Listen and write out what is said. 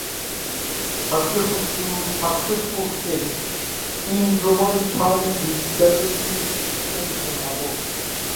Experts called the conference a successful step in promoting party-directed change from above.